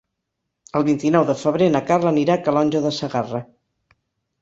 El vint-i-nou de febrer na Carla anirà a Calonge de Segarra.